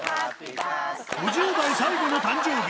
５０代最後の誕生日